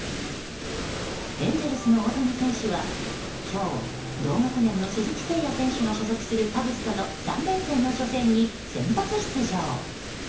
エンゼルスの大谷選手は、今日同学年の鈴木誠也選手が所属するカブスとの３連戦の初戦に先発出場。